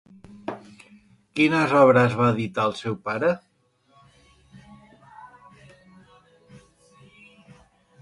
Quines obres va editar el seu pare?